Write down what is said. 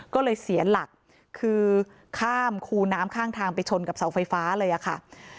ก็เลยเสียหลักคือข้ามคูน้ำข้างทางไปชนกับเสาไฟฟ้าเลยอะค่ะ